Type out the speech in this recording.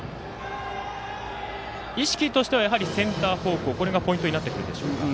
意識としてはやはりセンター方向ポイントになってくるでしょうか。